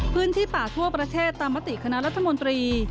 พื้นที่ป่าทั่วประเทศตามมติคณะรัฐมนตรี